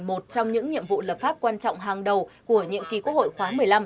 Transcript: một trong những nhiệm vụ lập pháp quan trọng hàng đầu của nhiệm kỳ quốc hội khóa một mươi năm